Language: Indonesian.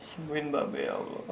semuain mbak be ya allah